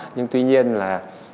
nhưng tuy nhiên là